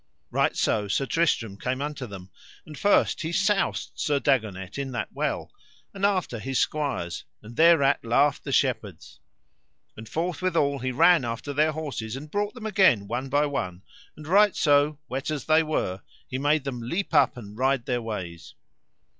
Right so Sir Tristram came unto them, and first he soused Sir Dagonet in that well, and after his squires, and thereat laughed the shepherds; and forthwithal he ran after their horses and brought them again one by one, and right so, wet as they were, he made them leap up and ride their ways.